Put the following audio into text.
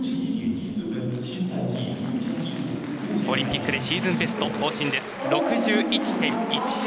オリンピックでシーズンベスト更新です。